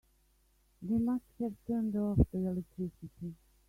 They must have turned off the electricity.